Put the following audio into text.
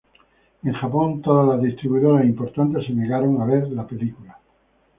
En Japón todas las distribuidoras importantes se negaron a ver la película.